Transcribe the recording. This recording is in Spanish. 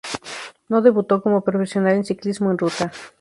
No debutó como profesional en ciclismo en ruta.